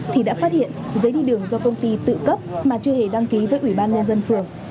thì đã phát hiện giấy đi đường do công ty tự cấp mà chưa hề đăng ký với ủy ban nhân dân phường